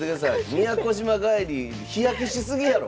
宮古島帰り日焼けし過ぎやろ！